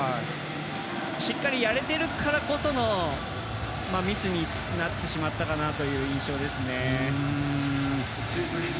しっかりやれているからこそのミスになってしまったかなという印象ですね。